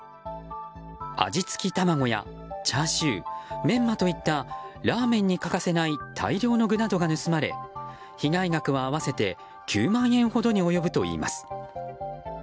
味付き卵やチャーシューメンマといったラーメンに欠かせない大量の具などが盗まれ被害額は合わせて９万円ほどに及ぶといいます。